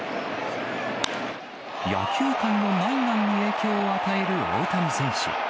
野球界の内外に影響を与える大谷選手。